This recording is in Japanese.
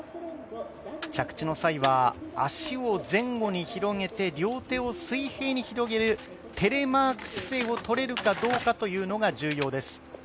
着地の際は足を前後に広げて両手を水平に広げるテレマーク姿勢をとれるかどうかというのが重要です。